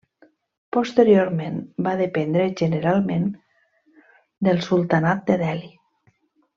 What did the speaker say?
Posteriorment va dependre generalment del sultanat de Delhi.